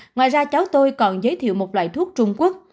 ngoài ra cháu tôi còn giới thiệu một loại thuốc trung quốc